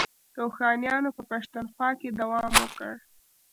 روښانیانو په پښتونخوا کې دوام وکړ.